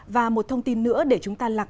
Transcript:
và một thông tin nữa để chúng ta lạc